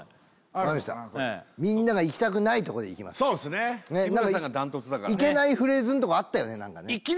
わかりましたみんながいきたくないとこでいきますそうっすねいけないフレーズんとこあったよね